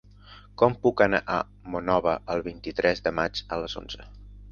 Com puc anar a Monòver el vint-i-tres de maig a les onze?